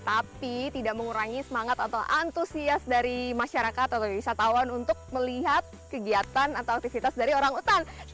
tapi tidak mengurangi semangat atau antusias dari masyarakat atau wisatawan untuk melihat kegiatan atau aktivitas dari orang utan